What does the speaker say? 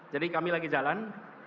jadi kami lagi jalan